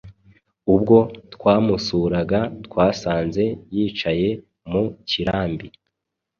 Ubwo twamusuraga twasanze yicaye mu kirambi,